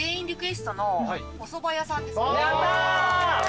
やった！